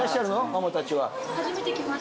ママたちは。